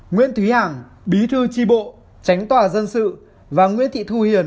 nguyễn thúy hằng bí thư tri bộ tránh tòa dân sự và nguyễn thị thu hiền